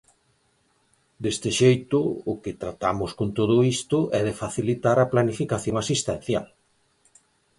Deste xeito, o que tratamos con todo isto é de facilitar a planificación asistencial.